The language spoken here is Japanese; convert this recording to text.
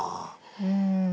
うん。